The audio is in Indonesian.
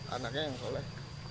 anaknya yang soleh